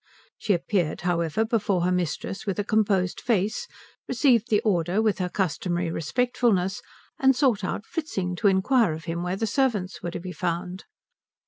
She appeared, however, before her mistress with a composed face, received the order with her customary respectfulness, and sought out Fritzing to inquire of him where the servants were to be found.